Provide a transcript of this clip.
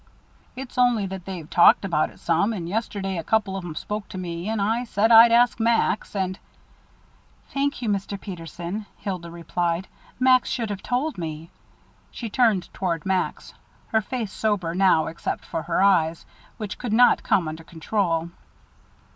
"It's only that they've talked about it some, and yesterday a couple of 'em spoke to me, and I said I'd ask Max, and " "Thank you, Mr. Peterson," Hilda replied. "Max should have told me." She turned toward Max, her face sober now except for the eyes, which would not come under control.